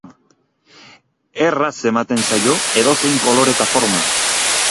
Erraz ematen zaio edozein kolore eta forma.